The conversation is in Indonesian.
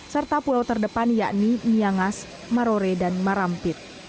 serta pulau terdepan yakni miangas marore dan marampit